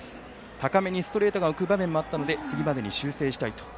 高めにストレートが浮く場面もあったので次までに修正したいと。